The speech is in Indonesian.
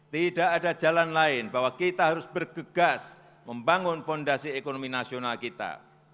tidak ada jalan lain bahwa kita harus bergegas membangun fondasi ekonomi nasional kita